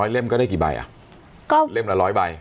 ๑๐๐เล่มก็ได้กี่ใบเล่มละ๑๐๐ใบ